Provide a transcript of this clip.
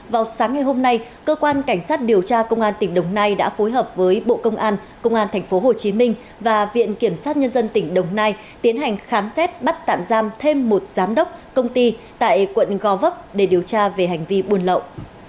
vào sáng ngày hôm nay cơ quan cảnh sát điều tra công an tỉnh đồng nai đã phối hợp với bộ công an công an tp hcm và viện kiểm sát nhân dân tỉnh đồng nai tiến hành khám xét bắt tạm giam thêm một giám đốc công ty tại quận gò vấp để điều tra về hành vi buôn lậu